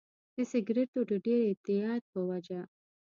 د سیګریټو د ډېر اعتیاد په وجه.